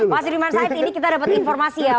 mas adi prayitno ini kita dapat informasi ya